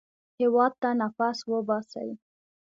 هېواد ته نفس وباسئ